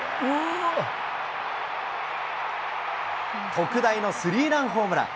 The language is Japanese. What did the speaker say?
特大のスリーランホームラン。